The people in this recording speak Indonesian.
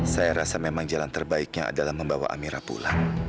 saya rasa memang jalan terbaiknya adalah membawa amira pulang